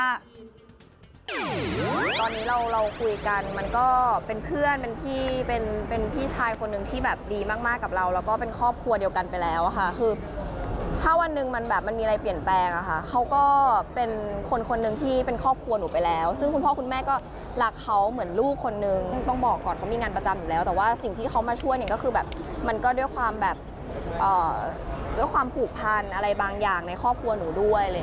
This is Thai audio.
ตอนนี้เราคุยกันมันก็เป็นเพื่อนเป็นพี่ชายคนนึงที่แบบดีมากกับเราก็เป็นครอบครัวเดียวกันไปแล้วค่ะคือถ้าวันนึงมันแบบมันมีอะไรเปลี่ยนแปลงค่ะเขาก็เป็นคนคนนึงที่เป็นครอบครัวหนูไปแล้วซึ่งคุณพ่อคุณแม่ก็รักเขาเหมือนลูกคนนึงต้องบอกก่อนเขามีงานประจำอยู่แล้วแต่ว่าสิ่งที่เขามาช่วยก็คือแบบมันก็ด